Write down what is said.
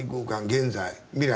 現在未来。